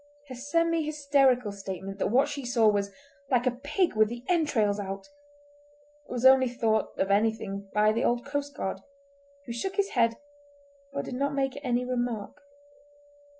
Her semi hysterical statement that what she saw was "like a pig with the entrails out" was only thought anything of by an old coastguard, who shook his head but did not make any remark.